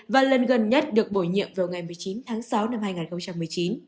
và lần gần nhất được bổ nhiệm vào ngày một mươi chín tháng sáu năm hai nghìn một mươi chín